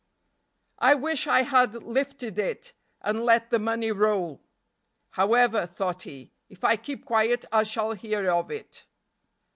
"I wish I had lifted it and let the money roll." However, thought he, "if I keep quiet I shall hear of it."